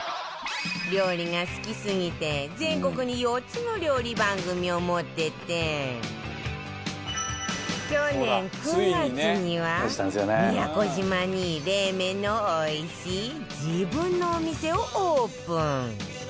料理が好きすぎて全国に４つの料理番組を持ってて去年９月には宮古島に冷麺のおいしい自分のお店をオープン